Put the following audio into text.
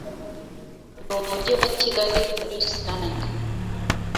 n’umujyi wa Kigali muri rusange